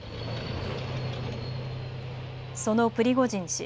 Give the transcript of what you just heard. そのプリゴジン氏。